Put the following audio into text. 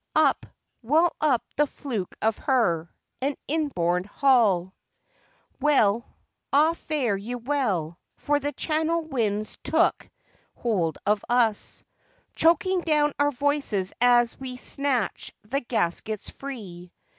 Up, well up the fluke of her, and inboard haul! Well, ah fare you well, for the Channel wind's took hold of us, Choking down our voices as we snatch the gaskets free.